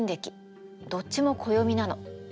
どっちも暦なの。